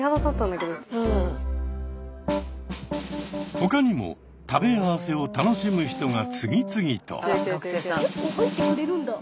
他にも「食べ合わせ」を楽しむ人が次々と。